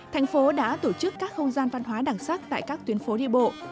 thành phố đã tổ chức các không gian văn hóa đặc sắc tại các tuyến phố đi bộ